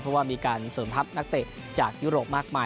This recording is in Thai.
เพราะว่ามีการเสริมทัพนักเตะจากยุโรปมากมาย